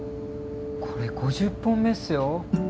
これ５０本目っすよ。